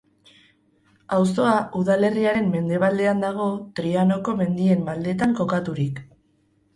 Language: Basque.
Auzoa, udalerriaren mendebaldean dago Trianoko mendien maldetan kokaturik.